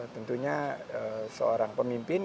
tentunya seorang pemimpin